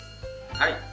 はい。